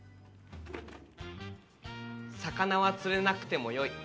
魚は釣れなくても良い。